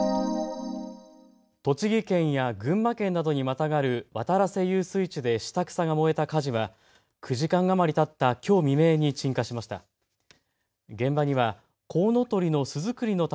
栃木県や群馬県などにまたがる渡良瀬遊水地で下草が燃えた火事は９時間余りたったきょう未明に鎮火しました。